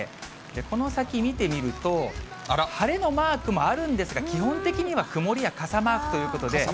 この先見てみると、晴れのマークもあるんですが、基本的には曇りや傘マークということで。